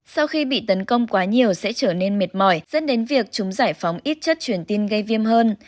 sau khi bị tấn công quá nhiều sẽ trở nên mệt mỏi dẫn đến việc chúng giải phóng ít chất truyền tin gây viêm hơn